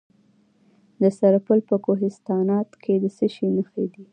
د سرپل په کوهستانات کې د څه شي نښې دي؟